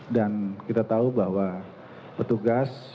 dan kita tahu bahwa petugas